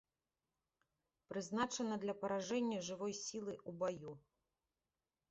Прызначана для паражэння жывой сілы ў баю.